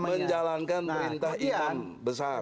menjalankan perintah imam besar